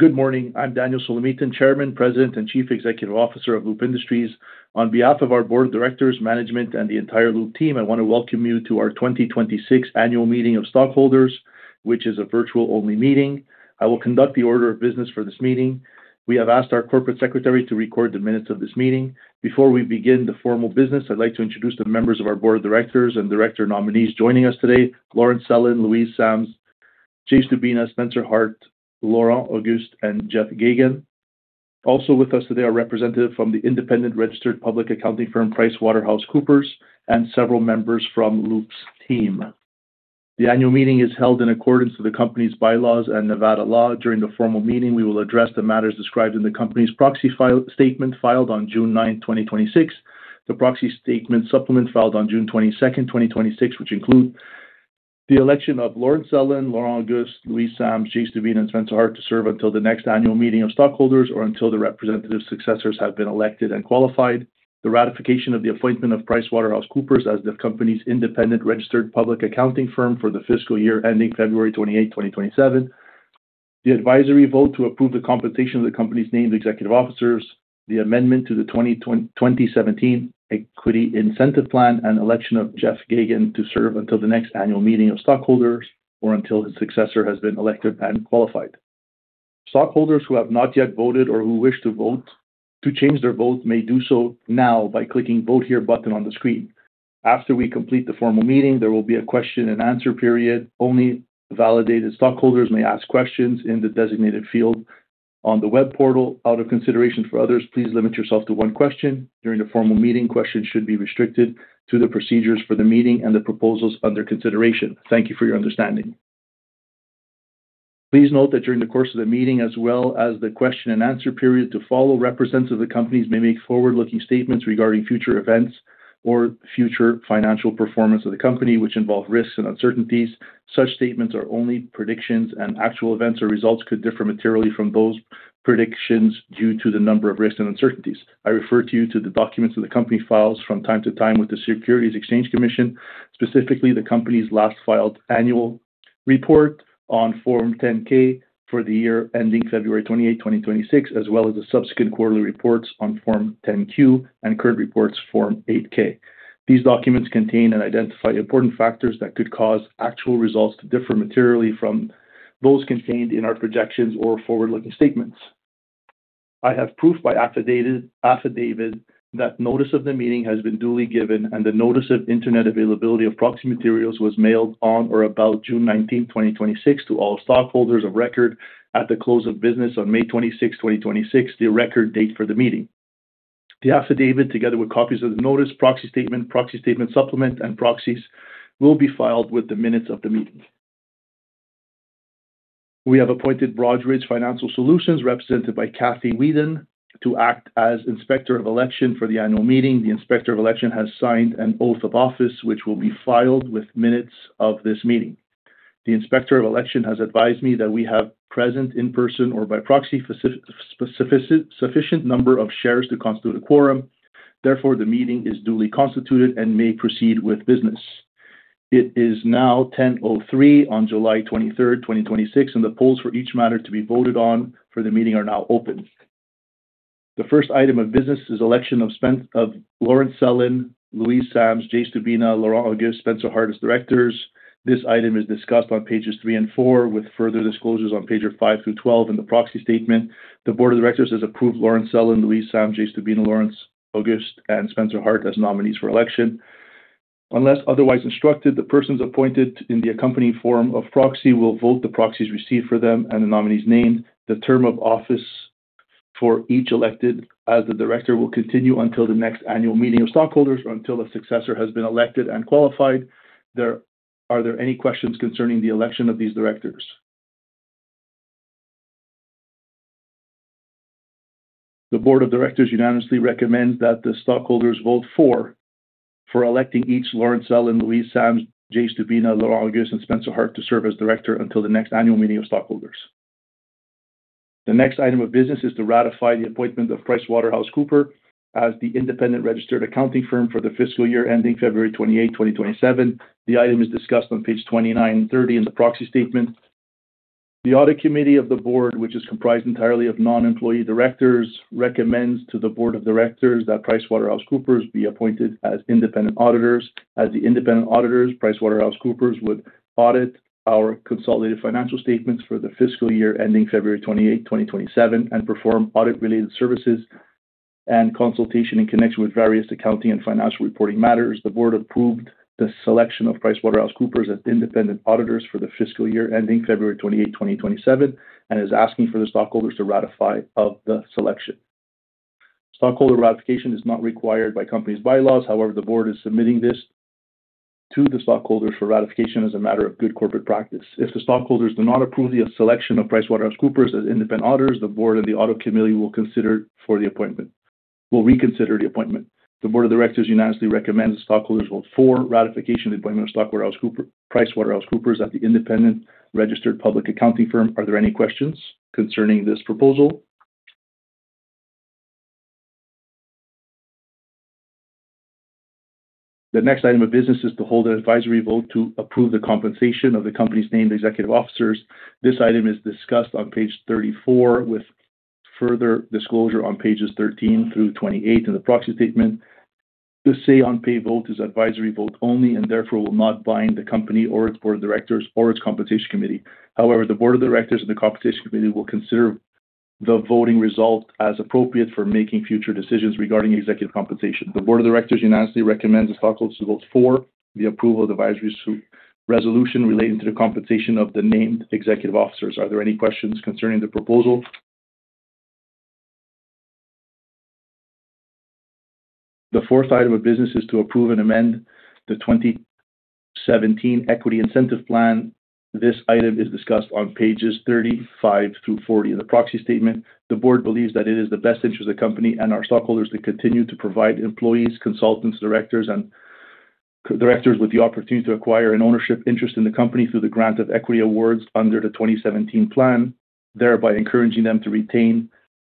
Good morning. I'm Daniel Solomita, Chairman, President, and Chief Executive Officer of Loop Industries. On behalf of our board of directors, management, and the entire Loop team, I want to welcome you to our 2026 annual meeting of stockholders, which is a virtual-only meeting. I will conduct the order of business for this meeting. We have asked our corporate secretary to record the minutes of this meeting. Before we begin the formal business, I'd like to introduce the members of our board of directors and director nominees joining us today, Laurence Sellyn, Louise Sams, Jay Stubina, Spencer Hart, Laurent Auguste, and Jeff Geygan. Also with us today are representatives from the independent registered public accounting firm, PricewaterhouseCoopers, and several members from Loop's team. The annual meeting is held in accordance to the company's bylaws and Nevada law. During the formal meeting, we will address the matters described in the company's proxy file statement filed on June 9th, 2026, the proxy statement supplement filed on June 22nd, 2026, which include the election of Laurence Sellyn, Laurent Auguste, Louise Sams, Jay Stubina, and Spencer Hart to serve until the next annual meeting of stockholders or until the representative successors have been elected and qualified, the ratification of the appointment of PricewaterhouseCoopers as the company's independent registered public accounting firm for the fiscal year ending February 28th, 2027, the advisory vote to approve the compensation of the company's named executive officers, the amendment to the 2017 Equity Incentive Plan, and election of Jeff Geygan to serve until the next annual meeting of stockholders or until his successor has been elected and qualified. Stockholders who have not yet voted or who wish to vote to change their vote may do so now by clicking Vote Here button on the screen. After we complete the formal meeting, there will be a question-and-answer period. Only validated stockholders may ask questions in the designated field on the web portal. Out of consideration for others, please limit yourself to one question. During the formal meeting, questions should be restricted to the procedures for the meeting and the proposals under consideration. Thank you for your understanding. Please note that during the course of the meeting, as well as the question-and-answer period to follow, representatives of the companies may make forward-looking statements regarding future events or future financial performance of the company, which involve risks and uncertainties. Such statements are only predictions, and actual events or results could differ materially from those predictions due to the number of risks and uncertainties. I refer you to the documents that the company files from time to time with the Securities Exchange Commission, specifically the company's last filed annual report on Form 10-K for the year ending February 28th, 2026, as well as the subsequent quarterly reports on Form 10-Q and current reports, Form 8-K. These documents contain and identify important factors that could cause actual results to differ materially from those contained in our projections or forward-looking statements. I have proof by affidavit that notice of the meeting has been duly given and the notice of internet availability of proxy materials was mailed on or about June 19th, 2026, to all stockholders of record at the close of business on May 26th, 2026, the record date for the meeting. The affidavit, together with copies of the notice, proxy statement, proxy statement supplement, and proxies, will be filed with the minutes of the meeting. We have appointed Broadridge Financial Solutions, represented by Kathy Weeden, to act as Inspector of Election for the annual meeting. The Inspector of Election has signed an oath of office, which will be filed with minutes of this meeting. The Inspector of Election has advised me that we have present in person or by proxy, sufficient number of shares to constitute a quorum. Therefore, the meeting is duly constituted and may proceed with business. It is now 10:03 A.M. on July 23rd, 2026, and the polls for each matter to be voted on for the meeting are now open. The first item of business is election of Laurence Sellyn, Louise Sams, Jay Stubina, Laurent Auguste, Spencer Hart as directors. This item is discussed on pages three and four, with further disclosures on page five through page 12 in the proxy statement. The board of directors has approved Laurence Sellyn, Louise Sams, Jay Stubina, Laurent Auguste, and Spencer Hart as nominees for election. Unless otherwise instructed, the persons appointed in the accompanying form of proxy will vote the proxies received for them and the nominee's name. The term of office for each elected as the director will continue until the next annual meeting of stockholders or until a successor has been elected and qualified. Are there any questions concerning the election of these directors? The board of directors unanimously recommends that the stockholders vote for electing each Laurence Sellyn, Louise Sams, Jay Stubina, Laurent Auguste, and Spencer Hart to serve as director until the next annual meeting of stockholders. The next item of business is to ratify the appointment of PricewaterhouseCoopers as the independent registered accounting firm for the fiscal year ending February 28th, 2027. The item is discussed on pages 29 and 30 in the proxy statement. The audit committee of the board, which is comprised entirely of non-employee directors, recommends to the board of directors that PricewaterhouseCoopers be appointed as independent auditors. As the independent auditors, PricewaterhouseCoopers would audit our consolidated financial statements for the fiscal year ending February 28th, 2027 and perform audit-related services and consultation in connection with various accounting and financial reporting matters. The board approved the selection of PricewaterhouseCoopers as independent auditors for the fiscal year ending February 28th, 2027 and is asking for the stockholders to ratify of the selection. Stockholder ratification is not required by company's bylaws. The board is submitting this to the stockholders for ratification as a matter of good corporate practice. If the stockholders do not approve the selection of PricewaterhouseCoopers as independent auditors, the board and the Audit Committee will reconsider the appointment. The board of directors unanimously recommends stockholders vote for ratification of the appointment of PricewaterhouseCoopers as the independent registered public accounting firm. Are there any questions concerning this proposal? The next item of business is to hold an advisory vote to approve the compensation of the company's named executive officers. This item is discussed on page 34 with further disclosure on pages 13 through 28 in the proxy statement. This say on pay vote is advisory vote only and therefore will not bind the company or its board of directors or its compensation committee. The board of directors and the compensation committee will consider the voting result as appropriate for making future decisions regarding executive compensation. The board of directors unanimously recommends the stockholders to vote for the approval of the advisory resolution relating to the compensation of the named executive officers. Are there any questions concerning the proposal? The fourth item of business is to approve and amend the 2017 Equity Incentive Plan. This item is discussed on pages 35 through 40 of the proxy statement. The board believes that it is in the best interest of the company and our stockholders to continue to provide employees, consultants, and directors with the opportunity to acquire an ownership interest in the company through the grant of equity awards under the 2017 plan, thereby encouraging them to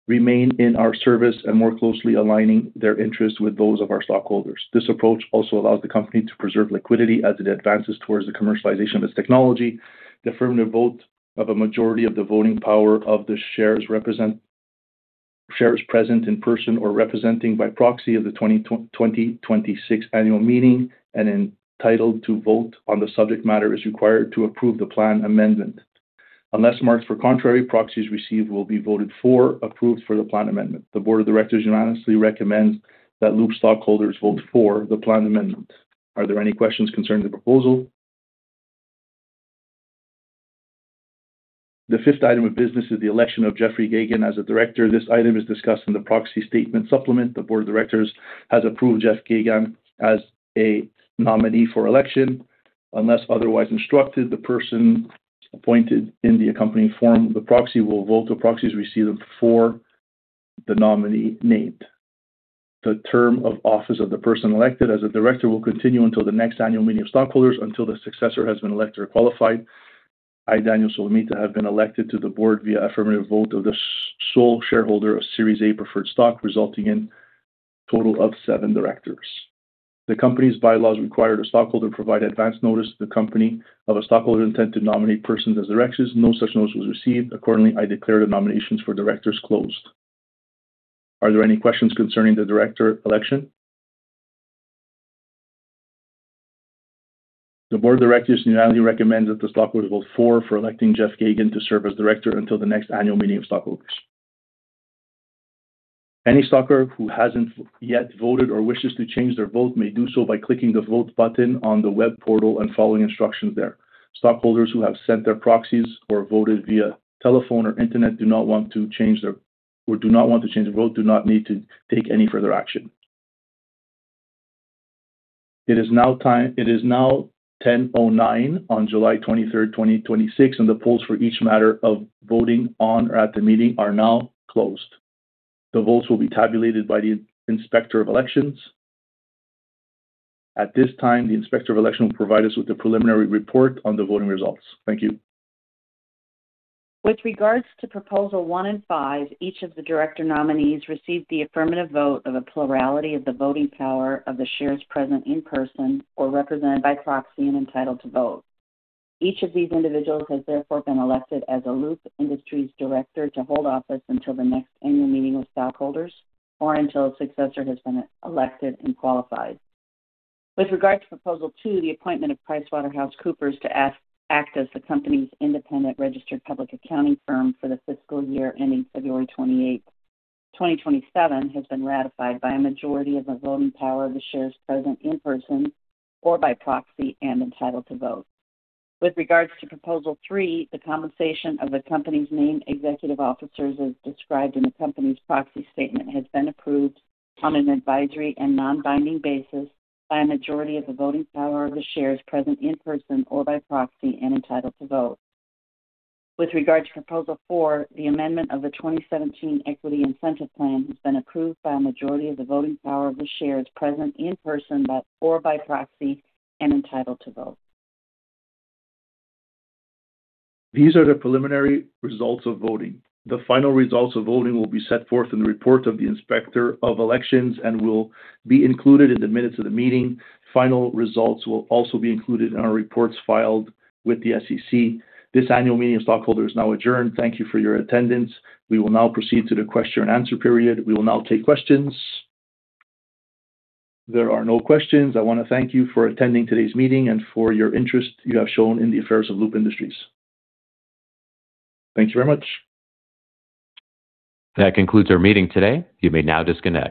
remain in our service and more closely aligning their interests with those of our stockholders. This approach also allows the company to preserve liquidity as it advances towards the commercialization of its technology. The affirmative vote of a majority of the voting power of the shares present in person or represented by proxy of the 2026 annual meeting and entitled to vote on the subject matter is required to approve the plan amendment. Unless marked for contrary, proxies received will be voted for approval for the plan amendment. The board of directors unanimously recommends that Loop stockholders vote for the plan amendment. Are there any questions concerning the proposal? The fifth item of business is the election of Jeffrey Geygan as a director. This item is discussed in the proxy statement supplement. The board of directors has approved Jeff Geygan as a nominee for election. Unless otherwise instructed, the person appointed in the accompanying form of the proxy will vote the proxies received for the nominee named. The term of office of the person elected as a director will continue until the next annual meeting of stockholders, until their successor has been elected or qualified. I, Daniel Solomita, have been elected to the board via affirmative vote of the sole shareholder of Series A preferred stock, resulting in a total of seven directors. The company's bylaws require the stockholder to provide advance notice to the company of a stockholder's intent to nominate persons as directors. No such notice was received. I declare the nominations for directors closed. Are there any questions concerning the director election? The board of directors unanimously recommends that the stockholders vote for electing Jeff Geygan to serve as director until the next annual meeting of stockholders. Any stockholder who hasn't yet voted or wishes to change their vote may do so by clicking the vote button on the web portal and following instructions there. Stockholders who have sent their proxies or voted via telephone or internet who do not want to change their vote do not need to take any further action. It is now 10:09 A.M. on July 23rd, 2026, the polls for each matter of voting on or at the meeting are now closed. The votes will be tabulated by the Inspector of Elections. At this time, the Inspector of Election will provide us with the preliminary report on the voting results. Thank you. With regards to proposal one and five, each of the director nominees received the affirmative vote of a plurality of the voting power of the shares present in person or represented by proxy and entitled to vote. Each of these individuals has therefore been elected as a Loop Industries director to hold office until the next annual meeting with stockholders, or until a successor has been elected and qualified. With regard to proposal two, the appointment of PricewaterhouseCoopers to act as the company's independent registered public accounting firm for the fiscal year ending February 28th, 2027, has been ratified by a majority of the voting power of the shares present in person or by proxy and entitled to vote. With regards to proposal three, the compensation of the company's named executive officers, as described in the company's proxy statement, has been approved on an advisory and non-binding basis by a majority of the voting power of the shares present in person or by proxy and entitled to vote. With regard to proposal four, the amendment of the 2017 Equity Incentive Plan has been approved by a majority of the voting power of the shares present in person or by proxy and entitled to vote. These are the preliminary results of voting. The final results of voting will be set forth in the report of the Inspector of Elections and will be included in the minutes of the meeting. Final results will also be included in our reports filed with the SEC. This annual meeting of stockholders is now adjourned. Thank you for your attendance, we will now proceed to the question-and-answer period. We will now take questions. There are no questions. I want to thank you for attending today's meeting and for your interest you have shown in the affairs of Loop Industries. Thank you very much. That concludes our meeting today. You may now disconnect.